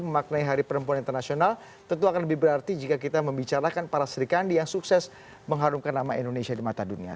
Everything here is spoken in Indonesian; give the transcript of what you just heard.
memaknai hari perempuan internasional tentu akan lebih berarti jika kita membicarakan para sri kandi yang sukses mengharumkan nama indonesia di mata dunia